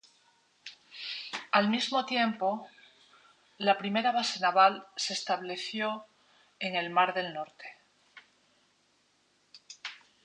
Al mismo tiempo, la primera base naval se estableció en el Mar del Norte.